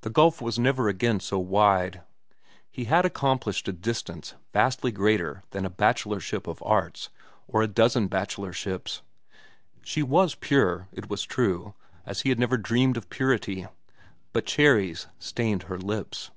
The gulf was never again so wide. He had accomplished a distance vastly greater than a bachelorship of arts, or a dozen bachelorships. She was pure, it was true, as he had never dreamed of purity; but cherries stained her lips.